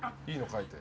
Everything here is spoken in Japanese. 書いて。